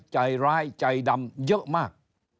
ใจร้ายใจดำเยอะมาก